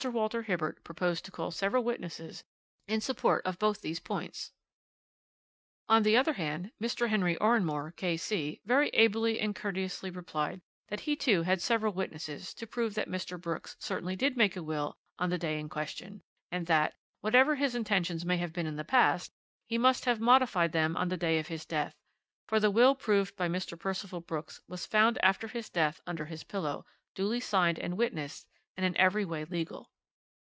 Walter Hibbert proposed to call several witnesses in support of both these points. "On the other hand, Mr. Henry Oranmore, K.C., very ably and courteously replied that he too had several witnesses to prove that Mr. Brooks certainly did make a will on the day in question, and that, whatever his intentions may have been in the past, he must have modified them on the day of his death, for the will proved by Mr. Percival Brooks was found after his death under his pillow, duly signed and witnessed and in every way legal.